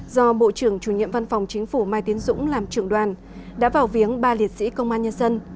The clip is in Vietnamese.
do bộ trưởng chủ nhiệm văn phòng chính phủ mai tiến dũng làm trưởng đoàn đã vào viếng ba liệt sĩ công an nhân dân